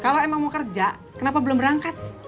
kalau emang mau kerja kenapa belum berangkat